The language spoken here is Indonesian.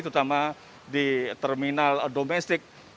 terutama di terminal domestik